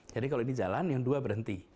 jadi kalau ini jalan yang dua berhenti